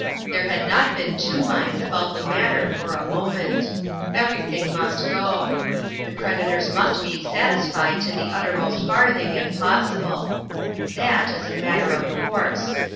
There had not been two minds about the matter for a moment. Everything must go ; the creditors must be satisfied to the utter most farthing, if possible. That, as a matter of course.